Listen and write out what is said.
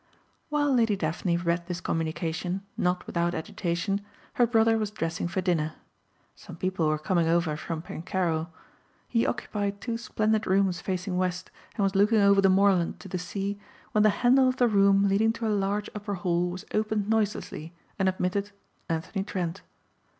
While Lady Daphne read this communication, not without agitation, her brother was dressing for dinner. Some people were coming over from Pencarrow. He occupied two splendid rooms facing west and was looking over the moorland to the sea when the handle of the room leading to a large upper hall was opened noiselessly and admitted Anthony Trent.